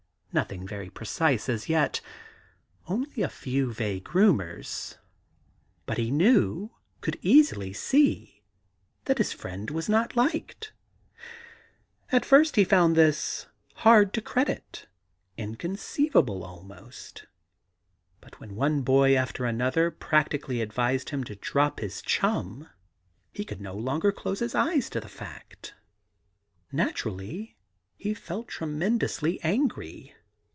No thing very precise as yet ; only a few vague rumours ; but he knew, could easily see, that his friend was not liked. At first he had found this hard to credit, inconceivable almost ; but when one boy after another practically advised him to drop his chum he could no longer close his eyes to the fact. Naturally he felt 89 THE GARJDEN GOD tremendously angry.